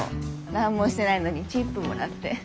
何もしてないのにチップもらって。